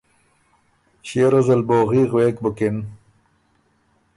ݭيې ریوز ال بوغي غوېک بُکِن